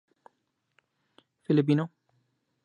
Filipino